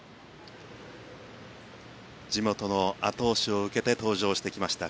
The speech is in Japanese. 地元の後押しを受けて登場してきました。